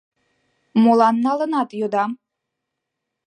— Молан налынат, йодам?